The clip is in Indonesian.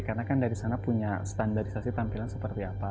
karena kan dari sana punya standarisasi tampilan seperti apa